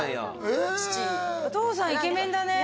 えお父さんイケメンだね